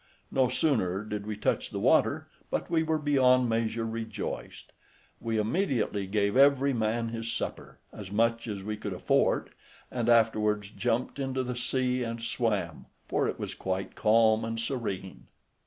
No sooner did we touch the water, but we were beyond measure rejoiced. We immediately gave every man his supper, as much as we could afford, and afterwards jumped into the sea and swam, for it was quite calm and serene.